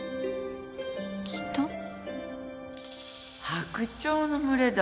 白鳥の群れだ